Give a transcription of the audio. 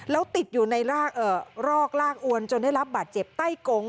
แล้วติดอยู่ในรอกลากอวนจนได้รับบาดเจ็บใต้กง